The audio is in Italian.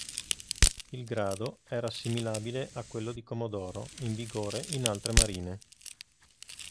Il grado era assimilabile a quello di commodoro in vigore in altre marine.